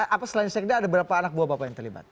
apa selain sekda ada berapa anak buah bapak yang terlibat